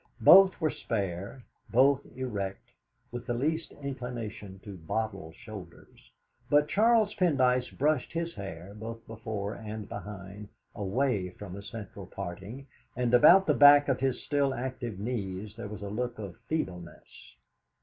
Both were spare, both erect, with the least inclination to bottle shoulders, but Charles Pendyce brushed his hair, both before and behind, away from a central parting, and about the back of his still active knees there was a look of feebleness.